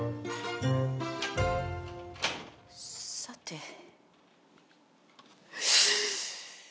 さて。